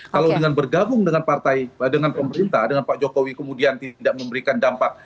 kalau dengan bergabung dengan partai dengan pemerintah dengan pak jokowi kemudian tidak memberikan dampak